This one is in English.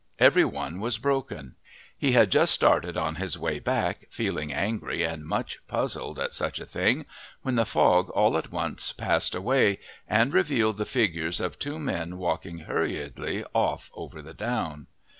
Every one was broken! He had just started on his way back, feeling angry and much puzzled at such a thing, when the fog all at once passed away and revealed the figures of two men walking hurriedly off over the down.